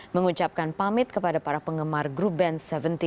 mengucapkan pamit kepada para penggemar grup band tujuh belas